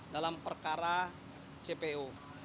dalam perkara cpo